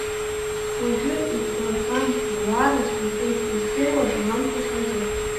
Уажәы игәрагам ауаа рацәаҩхеит, издыруада амц уҳәозар?